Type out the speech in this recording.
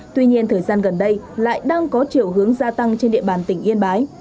tuy nhiên thời gian gần đây lại đang có chiều hướng gia tăng trên địa bàn tỉnh yên bái